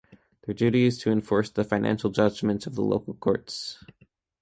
Their duty is to enforce the financial judgements of the local courts.